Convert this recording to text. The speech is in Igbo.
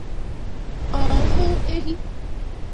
ọ hụ ehi